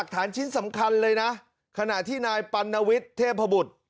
ฐานชิ้นสำคัญเลยนะขณะที่นายปัณวิทย์เทพบุตร